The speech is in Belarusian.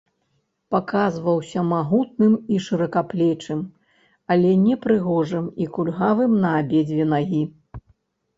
Паказваўся магутным і шыракаплечым, але непрыгожым і кульгавым на абедзве нагі.